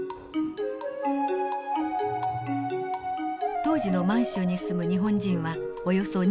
当時の満州に住む日本人はおよそ２３万人。